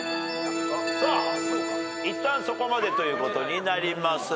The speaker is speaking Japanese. いったんそこまでということになります。